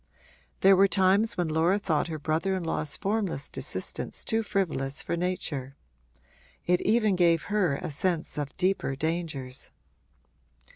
There were times when Laura thought her brother in law's formless desistence too frivolous for nature: it even gave her a sense of deeper dangers.